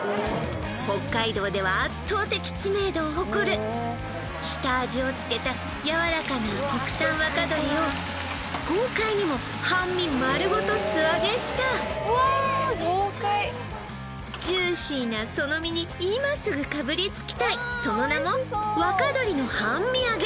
北海道では圧倒的知名度を誇る下味をつけたやわらかな国産若鶏を豪快にも半身丸ごと素揚げしたジューシーなその身に今すぐかぶりつきたいその名も若鶏の半身揚げ